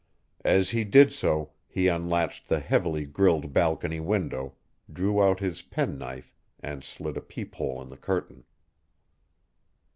As he did so he unlatched the heavily grilled balcony window, drew out his penknife and slit a peephole in the curtain.